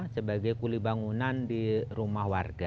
sebagai kulibangunan di rumah warga